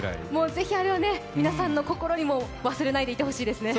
ぜひあれは皆さんの心にも忘れないでほしいですね。